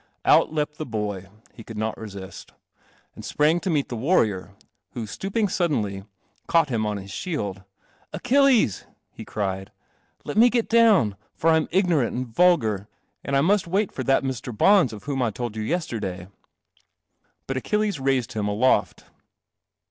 Out leapt the . —he Could not resist — ami Sprang to meet the warrior, wh . i Idenly, caught him on his shield. Vchilli he cried, M let me get down, rant and vulgar, and I must wait that Mr. Bons of whom I told you yester But Achilles raised him aloft.